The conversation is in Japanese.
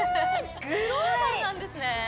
グローバルなんですね！